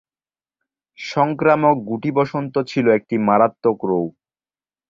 সংক্রামক গুটি বসন্ত ছিল একটি মারাত্মক রোগ।